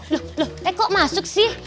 lho lho kok masuk sih